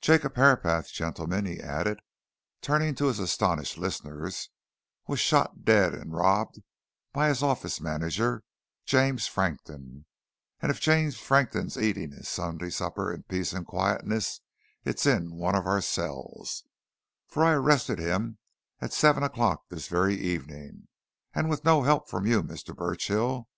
Jacob Herapath, gentlemen," he added, turning to his astonished listeners, "was shot dead and robbed by his office manager, James Frankton, and if James Frankton's eating his Sunday supper in peace and quietness, it's in one of our cells, for I arrested him at seven o'clock this very evening and with no help from you, Mr. Burchill!